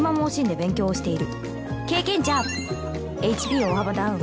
ＨＰ 大幅ダウン